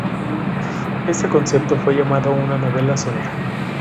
Este concepto fue llamado una "novela sonora".